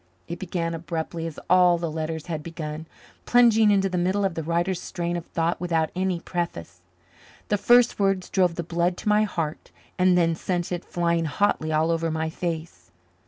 It began abruptly as all the letters had begun, plunging into the middle of the writer's strain of thought without any preface. The first words drove the blood to my heart and then sent it flying hotly all over my face.